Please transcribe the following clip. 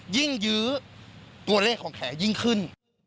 ยื้อตัวเลขของแขยิ่งขึ้น